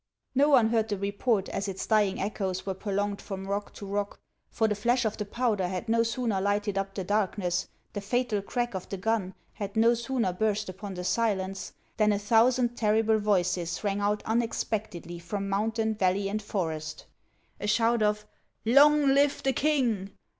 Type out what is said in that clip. No one heard the report as its dying echoes were pro longed from rock to rock ; for the Hash of the powder had no sooner lighted up the darkness, the fatal crack of the gun had no sooner burst upon the silence, than a thou sand terrible voices rang out unexpectedly from mountain, valley, and forest ; a shout of " Long live the king